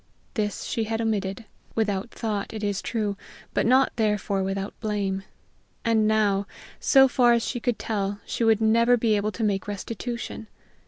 This she had omitted without thought, it is true, but not, therefore, without blame; and now, so far as she could tell, she would never be able to make restitution!